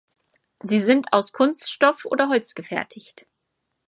Sie sind aus Kunststoff oder Holz gefertigt.